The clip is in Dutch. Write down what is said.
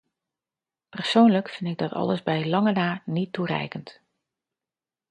Persoonlijk vind ik dit alles bij lange na niet toereikend.